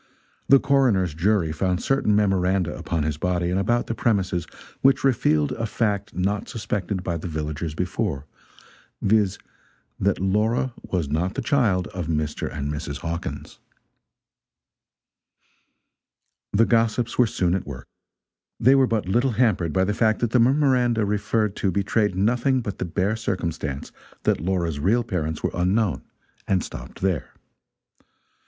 The coroner's jury found certain memoranda upon his body and about the premises which revealed a fact not suspected by the villagers before viz., that Laura was not the child of Mr. and Mrs. Hawkins. The gossips were soon at work. They were but little hampered by the fact that the memoranda referred to betrayed nothing but the bare circumstance that Laura's real parents were unknown, and stopped there.